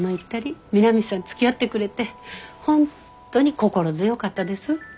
美波さんつきあってくれて本当に心強かったです。